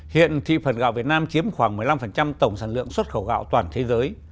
hiện thị phần gạo việt nam chiếm khoảng một mươi năm tổng sản lượng xuất khẩu gạo toàn thế giới